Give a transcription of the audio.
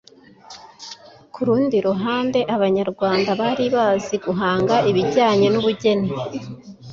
Ku rundi ruhande, Abanyarwanda bari bazi guhanga ibijyanye n’ubugeni